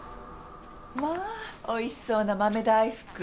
まあおいしそうな豆大福。